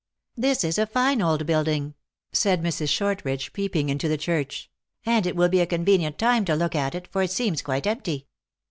" This is a fine old building," said Mrs. Shortridge, peeping into the church, " and it will be a convenient time to look at it, for it seems quite empty."